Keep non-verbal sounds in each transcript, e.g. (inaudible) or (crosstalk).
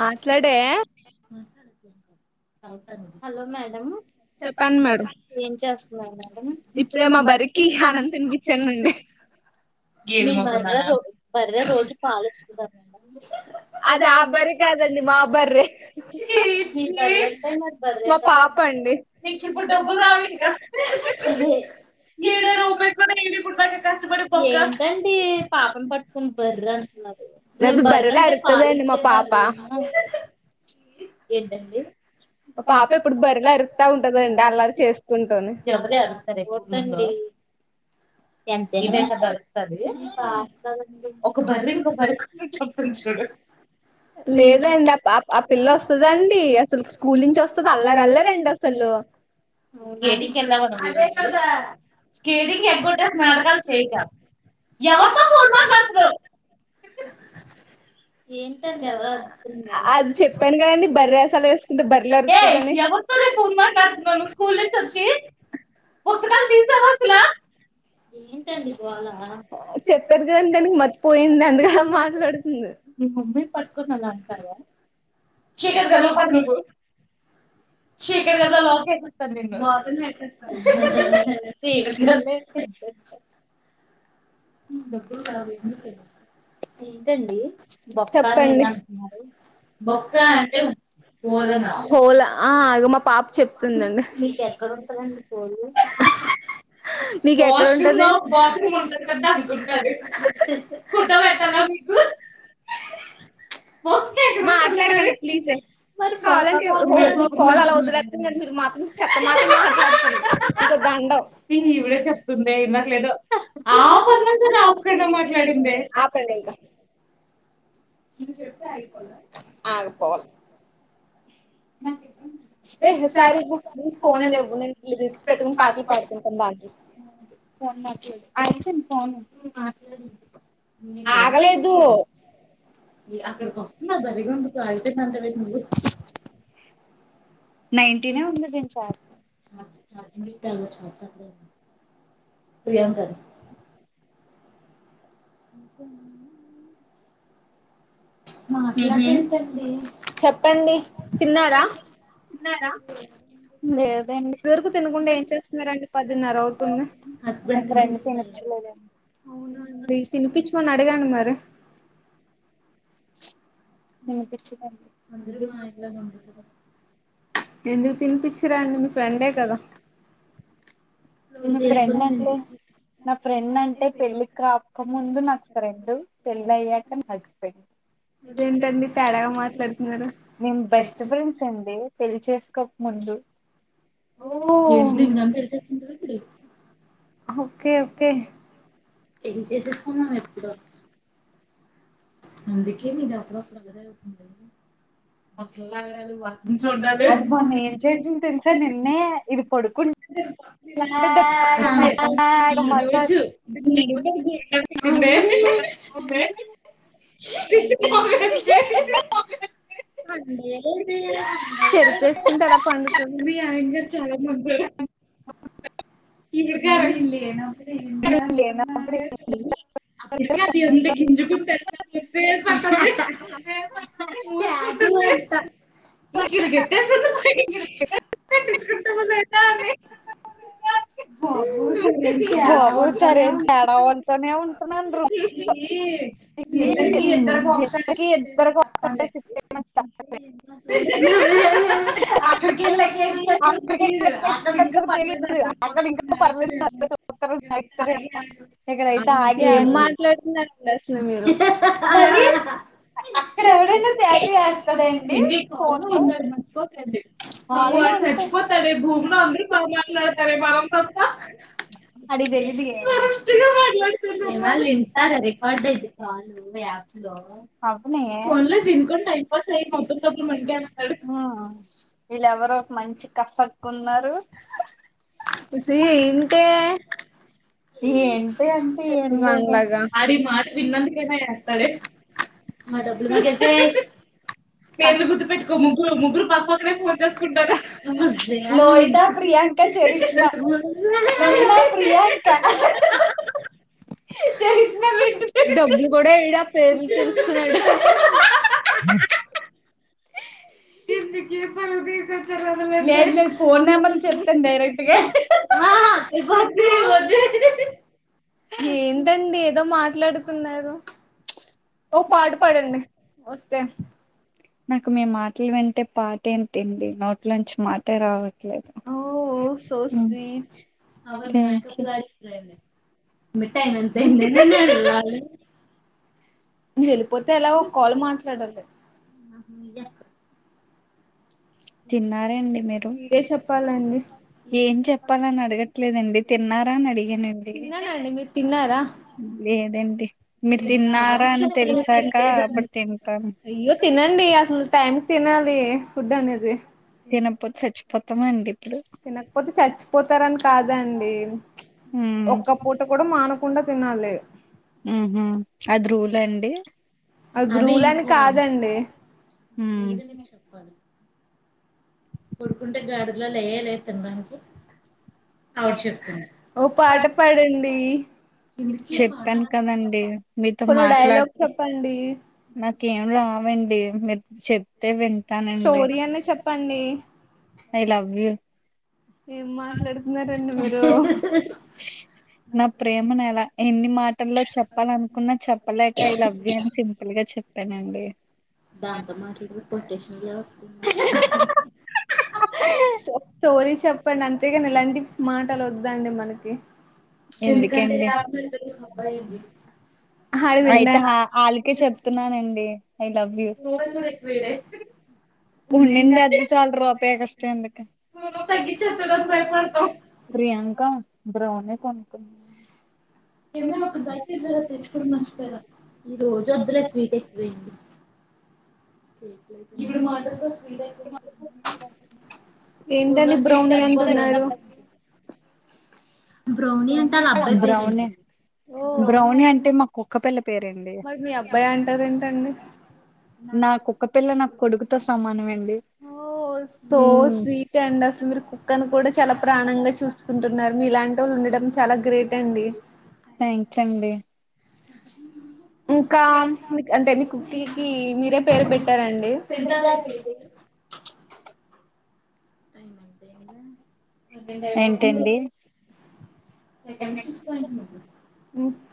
మాట్లాడే చెప్పండి మేడం ఇప్పుడే మా బరికి అన్నం తినిపించనండి (unintelligible) మా పాప ఎప్పుడు బర్రె లాగా అరుతా ఉంటదండి అల్లరి చేస్తుంటాను ఎంత చేయడాక దొరుకుతుంది ఒక బర్ర ఇంకో బర్ర చూపించడు లేదండి ఆ పిల్ల వస్తుందండి అసలు స్కూల్ నుంచి వస్తుంది అల్లారు అల్లారంండి అసలు నాడకలు చేయక ఎవరితో పోోన్ మాట్లాడుతున్నావ్ (unintelligible) న మమ్మయి పట్టుకునలా అంటావా చకన్ కలు పద నువ్వు (inaudible) (inaudible) (unintelligible) (unintelligible) (unintelligible) (unintelligible) (unintelligible) ఆ పోలే (unintelligible) ఆగలేదు (unintelligible) నైన్ టీన్ నే ఉంది దీని ఛార్జింగ్ ప్రియాంకది ఇంకా మ (unintelligible) చెప్పండి తిన్నారా లేదు ఇప్ప వరకు తినకుంటే ఏం చేస్తున్నారండి పదిన్నర అవుతుంది అవునా అండి తినిపించమని అడిగండి మరి స మ (unintelligible) ఎందుకు తినిపచ్చిరా అండి మీ ఫ్రెండే కదా న ఫ్రెండ్ అంటే నా ఫ్రెండ్ అంటే పెళ్ళికి కాకముందు నాకు ఫ్రెండ్ పెళ్ళి అయ్యాక నా హస్బెండ్ నేను బెస్ట్ ఫ్రెండ్స్ అండి పెళ్ళి చేేసుకోక ముందు ఓ దింగ్ నంద తెసస్తుందీ (unintelligible) (inaudible) ఓకే ఓకే ఏం చేసుకున్నావు ఇప్పుడు అందుకే మీద అప్పుడప్పుడుదాకుండ అది మొన్న ఏం చేసింది తెలుసా నిన్నే ఇది పడుకు ఈ చోచ్చు (inaudible) ఇ ప చెరిప వేసుకుంటే అలా పండుతుంది బి ఆన ఇంంగా చాలా మంది (inaudible) ఇ ఇల్ేను (unintelligible) ఏం చేస్తున్నారే ఏం అపిల్ క్లాటి వుంది గింజుకుని చ యటు ఇంక ఇలాగ ఎత్తేసింది పైకి ఎత్తేసి మళ్ళ ఎట్ట బాగుంది బాబోయ్ సరే తేడాంతోనే ఉంటున్నాను రో ఇద్దరికీ ఇద్దరు బాక్స అనే చెప్పేమని చెప్పండే అక్కడకి తెలీదు అక్కడింక ప పొద్దునైతది ఏం మాట్లాడుతున్నారండి అసలు మీరు మరి అక్కడ ఎవడైనా టాటూ వేస్తాడండి ఫోన్తో సచ్ పోతారే భూమ్ లో అందరికీ కార్లో ఎల్తున్నారే మనం తప్ప ఇన్నోలు ఇంటరే రెకార్డ్ అయి ఫోన్ లో యాప్ లో ఫోన్ లో జంక టైంపాస్ చేయనీ ఇంకోమ్ అప్పుడు ఎంజాయ్ చేస్తడు మంచి కఫక్కున్నారు ఒసేయ్ ఏంటే ఏంటే అంటే గ్లాగా అడి మా విన్న కిమీ ఎస్త డే డబ్బులు కట్టేస్తే పేర్లూ గుర్తు పెట్టుకో ముగ్గురు ముగ్గురు పక్క పక్కనే ఫోన్ చేసుకుంటారు చరిష్మా బిట్ పెంచు గొడే ఇడా పేర్లు తెలుస్తుకున్నాడు ఎందు కే పరువు తీసేతారు అసలు లేదు లేదు ఫోన్ నంబర్లు చెప్పే డైరెక్ట్ గా హ హా ఇవ్వదే ఇవ్వదే ఏంటండి ఏదో మాట్లాడుతున్నారు ఓ పాట పాడండి వస్తె నాకు మీ మాటలు వింటే పాట ఏంటిడి నోట్లోంచి మాటే రావ లేదు అవరు మేకప్ గారి ఫ్రెండ్ మిట్టయింది అంతే ఇంక ఎందరు లేరు నే వెళ్ళిపోతే ఎలా ఒ కాల్ మాట్లాడు అంతే హా అమ్మయ్య తిన్నారెండీ మీరు మీరే చెప్పాలి ఏం చెప్పాలని అడగట్లేదండి తిన్నారా అని అడిగానండి లేదండి ఎన్ని సార్లు చెప్పను తినలేదు (unintelligible) అయ్యో తినండి అసలు టైం తినాలి ఫుడ్ అనేది తినకపోతే చచ్చిపో తమండి తినకపోతె సచ్చిపోతారని కాదండీ ఒక్క పూట కూడా మానం కుండ తినాలే హ్మ్ హు అది రూలండి హ్మ్ పడుకుంటే గాడుదల లేనేఏత్తం దానికి చెప్పాను కదండి మీతో మాట్లాడితె నాకేం రావండి మీర్ చెప్ తే వింటానండి ప్పండి ఐ లవ్ యు. నా ప్రేమను ఎలా? ఎన్ని మాటల్లో చెప్పాలనుకున్న చెప్పలేక ఐ లవ్ యూ అని సింపుల్ గ చెప్ పెనండీ దాంతో మాట్లు కూడ కొట్టేష్ ఇయో స్టో స్టోరీస్ చెప్పండి అంతేగాని ఇలాంటి మాటలొద్దండి మనకి ఎందుకంటే ఈ ఆకుమిడుతలు అబ్బాయేంది అయితె హా ఆళ్ళకే చెప్తున్నానండి నేన్ లవ్ యు ఉన్నిందే అది చాలు రూపాయి కష్టం ఎందుకు? ప్రియాంక బ్రౌనీ. కొనుకొని తిను ఏమే ఒక్క బేకరీలో తెచ్చుకోడం మర్చిపోయిరా, ఇగ మా అడ్డా కోస్ ఏంతండి బ్రౌన్ ది అంటున్నారు బ్రౌనె బ్రౌని అంటే మాకుక్క పిల్ల మరి మీ అబ్బాయంటారు ఏంటండి? ఓస్ తో స్వీట్ అండి అసలు మీరు కుక్కని కూడ చాల ప్రాణంగా చూసుకుంటున్నారు మీలాంటోళ్ళు ఉండడం చాలా గ్రేట్ అండి. థ్యాంక్స్ అండి. ఇంకా మీకంటె మి కృతికీ ఏంజె రే పేరు పెట్టారండి. పెద్దారెడ్డి లెండి. టైమెంతయ్యిందె ఏంటండి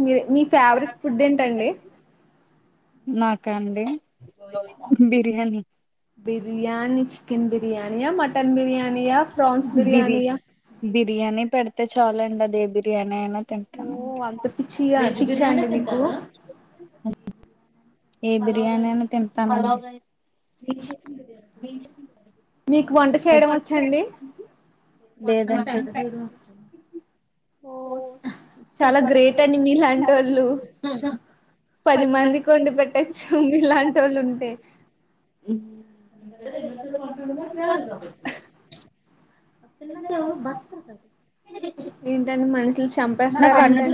మీ మీ ఫేవరెట్ ఫుడ్ ఏంటండి నాకా అండి బిర్యానీ బిర్యానీ చికెన్ బిర్ బిర్యానియా మటన్ బిర్యానియా ఫ్రాన్స్ బిర్యానియా తే చాలా ఎండ దేవిడ్ ఏనైనా ఓ అంత పిచ్చియా పిచ్చా అండి నీకు ఏ బిర్యానీ అయినా తింటాను మీకు వంట చేయడం వచ్చండి ఓ చాలా గ్రేట్ అండి మీలాంటోళ్ళు పది మందికి వండి పెట్టచ్చు మీలాంటోళ్ళుంటే ఏంటండీ మనుషుల్ని చంపేస్తార ఏంటం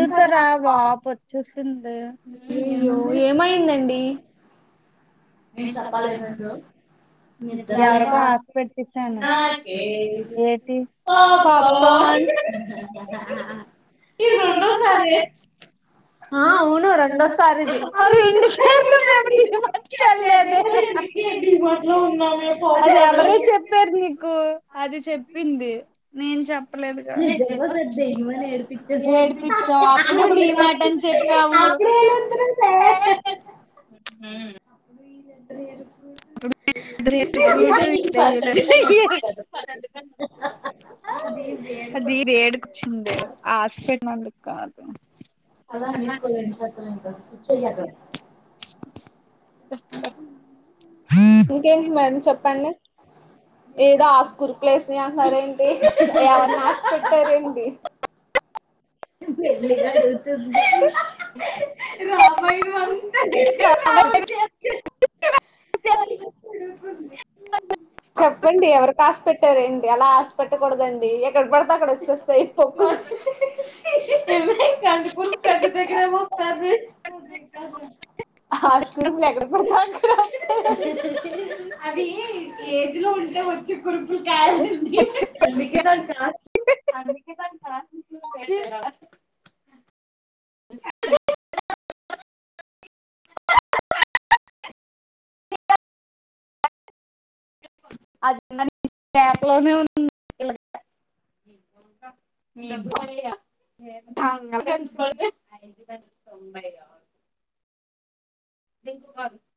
ఏమయిందండీ నేను చెప్పాలినరు నిద్ర ఓకే ఇది రెండోసారి ఆ అవును రెండోసారిది అది ఎవరో చెప్పారు నీకు అని చెప్పావు (unintelligible) ఫ్రూట్ ఇయ్యలే కాదు అలా అని తీసుకోలే నేను తీసుకొస్తాలే నీకు ఇచ్చేయ్ అక్కడ (unintelligible) ఇంకేంటి మేడం చెప్పండి ఏదో ఆ స్కూర్ ప్లేస్ ని అసారేంటి ఎవరు నాక్ పెట్టారేంటి పెద్దయ్యాక వెళ్తుంది రామాయణం అంతా విని రాముడు సీత కి ఏమవుతాడు అన్నట్టు అడుగుతుంది మ్మ్ చెప్పండి ఎవరికి ఆశ పెట్టారు ఏంటి అలా ఆశ పెట్టకూడదండి ఎక్కడ పడితే అక్కడ వచ్చేస్తాయి తొక్కు కంటిపురుపు కంటి దగ్గర వస్తారు ఆస్ కురుపులు ఎక్కడ పోత అది ఏజ్ లో ఉంటే వచ్చే కురుపులు కాయాలండి అందుకే కాస్త (unintelligible) అదే (inaudible) (unintelligible)